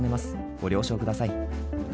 ご了承ください。